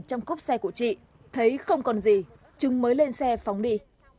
trong khúc xe của chị thấy không còn gì chúng mới lên xe phóng đi